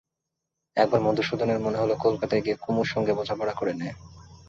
একবার মধুসূদনের মনে হল কলতলায় গিয়ে কুমুর সঙ্গে বোঝাপড়া করে নেয়।